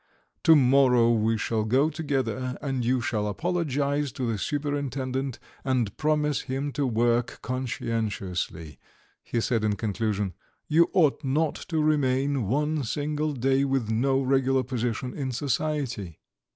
"To morrow we shall go together, and you shall apologize to the superintendent, and promise him to work conscientiously," he said in conclusion. "You ought not to remain one single day with no regular position in society."